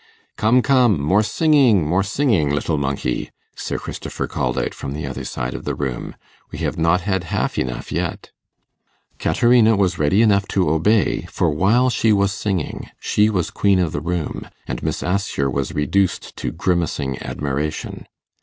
'Come, come, more singing, more singing, little monkey,' Sir Christopher called out from the other side of the room. 'We have not had half enough yet.' Caterina was ready enough to obey, for while she was singing she was queen of the room, and Miss Assher was reduced to grimacing admiration.